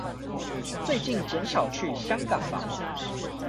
最近減少去香港吧！